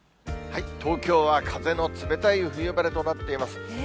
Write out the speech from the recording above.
東京は風の冷たい冬晴れとなっています。